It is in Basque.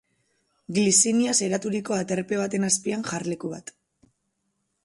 Gliziniaz eraturiko aterpe baten azpian, jarleku bat.